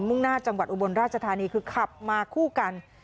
่งหน้าจังหวัดอุบลราชธานีคือขับมาคู่กัน